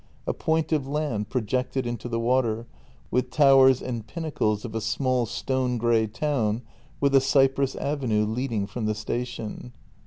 A point of land projected into the water, with towers and pinnacles of a small stone grey town, with a cypress avenue leading from the station.